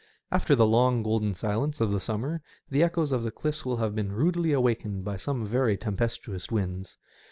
After the long golden silence of the summer the echoes of the cliffs will have been rudely awakened by some very tempestuous winds.